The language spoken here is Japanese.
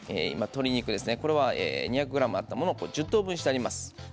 鶏肉２００ｇあったものを１０等分してあります。